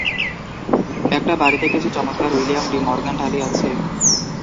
একটা বাড়িতে কিছু চমৎকার উইলিয়াম ডি মরগান টালি আছে।